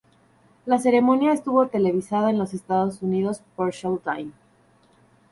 La ceremonia estuvo televisada en los Estados Unidos por Showtime.